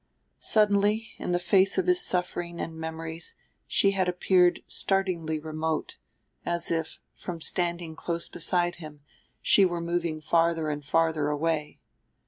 Suddenly in the face of his suffering and memories she had appeared startlingly remote, as if, from standing close beside him, she were moving farther and farther away.